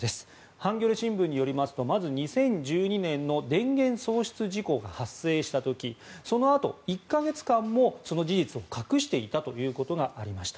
ハンギョレ新聞によりますとまず２０１２年の電源喪失事故が発生した時そのあと１か月間もその事実を隠していたということがありました。